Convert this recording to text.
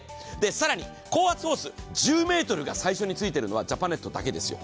更に高圧ホース、１０ｍが最初についているのはジャパネットだけですよ。